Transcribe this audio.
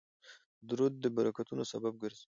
درود د برکتونو سبب ګرځي